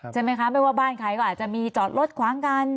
ใช่ไหมคะไม่ว่าบ้านใครก็อาจจะมีจอดรถขวางกัน